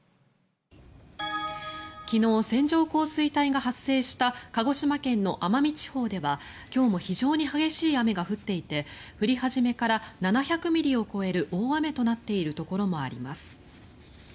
昨日、線状降水帯が発生した鹿児島県の奄美地方では今日も非常に激しい雨が降っていて降り始めから７００ミリを超える大雨となっているところもあります。